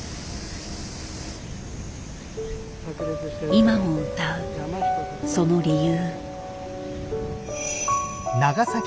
今も歌うその理由。